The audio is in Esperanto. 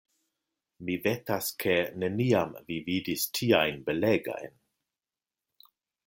Mi vetas, ke neniam vi vidis tiajn belegajn.